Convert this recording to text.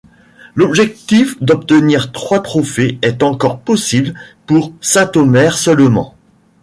L'objectif d'obtenir trois trophées est encore possible pour Saint-Omer seulement.